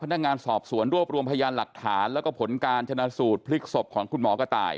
พนักงานสอบสวนรวบรวมพยานหลักฐานแล้วก็ผลการชนะสูตรพลิกศพของคุณหมอกระต่าย